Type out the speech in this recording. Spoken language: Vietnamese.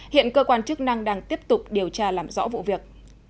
hiện cơ quan chức năng đang tiếp tục điều tra làm rõ vụ việc